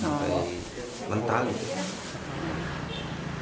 sampai mentah gitu